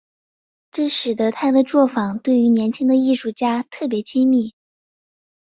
这使得他的作坊对于年轻的艺术家特别亲密。